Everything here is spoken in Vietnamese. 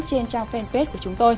trên trang fanpage của chúng tôi